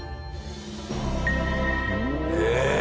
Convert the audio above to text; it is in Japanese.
ええ！